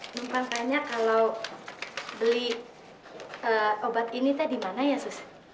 minta tanya kalau beli obat ini tadi mana ya sus